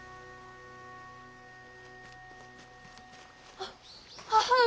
あっ母上。